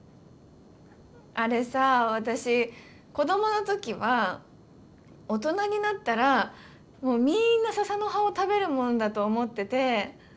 あれさ私子供の時は大人になったらみんなささの葉を食べるもんだと思ってて。